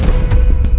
seh serpent seh serpent